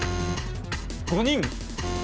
５人？